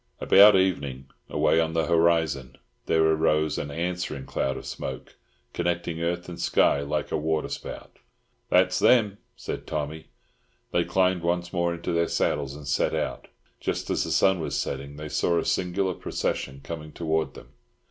About evening, away on the horizon, there arose an answering cloud of smoke, connecting earth and sky, like a waterspout. "That's them," said Tommy. They climbed once more into their saddles, and set out. Just as the sun was setting, they saw a singular procession coming towards them.